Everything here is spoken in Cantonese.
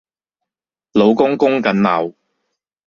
老公供緊樓